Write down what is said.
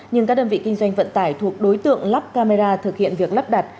nhưng các đơn vị kinh doanh vận tải thuộc đối tượng lắp camera thực hiện việc lắp đặt